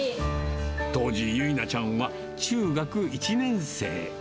当時、由奈ちゃんは中学１年生。